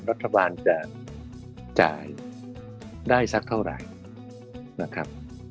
รัฐบาลจะจ่ายได้สักเท่าไหร่นะครับ